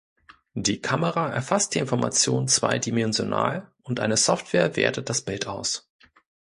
Die Kamera erfasst die Information zweidimensional und eine Software wertet das Bild aus.